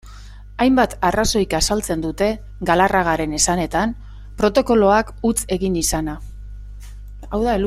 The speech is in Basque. Hainbat arrazoik azaltzen dute, Galarragaren esanetan, protokoloak huts egin izana.